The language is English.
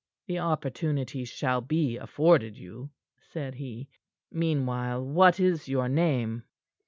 "The opportunity shall be afforded you," said he. "Meanwhile what is your name?"